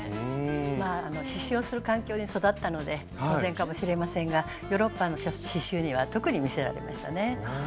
まあ刺しゅうをする環境に育ったので当然かもしれませんがヨーロッパの刺しゅうには特に魅せられましたね。